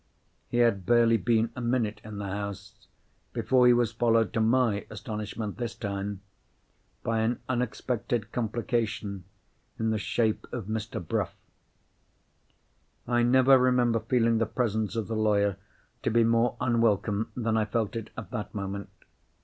He had barely been a minute in the house, before he was followed, to my astonishment this time, by an unexpected complication in the shape of Mr. Bruff. I never remember feeling the presence of the lawyer to be more unwelcome than I felt it at that moment.